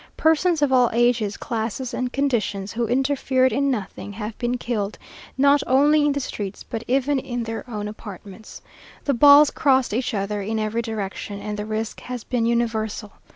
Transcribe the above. Persons of all ages, classes, and conditions, who interfered in nothing, have been killed, not only in the streets, but even in their own apartments. The balls crossed each other in every direction, and the risk has been universal.